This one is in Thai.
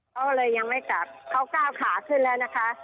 เขาก็เลยยังไม่กลับเขาก้าวขาขึ้นแล้วนะคะ